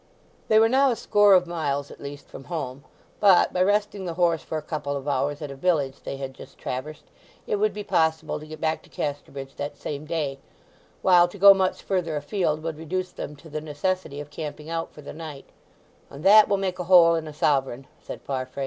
They were now a score of miles at least from home, but, by resting the horse for a couple of hours at a village they had just traversed, it would be possible to get back to Casterbridge that same day, while to go much further afield would reduce them to the necessity of camping out for the night, "and that will make a hole in a sovereign," said Farfrae.